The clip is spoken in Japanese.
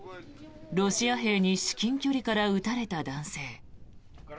ロシア兵に至近距離から撃たれた男性。